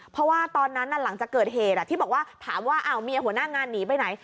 เพราะว่าตอนนั้นหลังจากเกิดเหตุที่บอกว่าถามว่าเมียหัวหน้างานหนีไปไหน